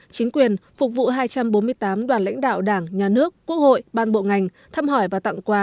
chính quyền phục vụ hai trăm bốn mươi tám đoàn lãnh đạo đảng nhà nước quốc hội ban bộ ngành thăm hỏi và tặng quà